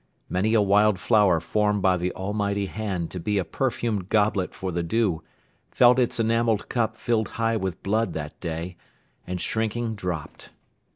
Many a wild flower formed by the Almighty Hand to be a perfumed goblet for the dew, felt its enamelled cup filled high with blood that day, and shrinking dropped.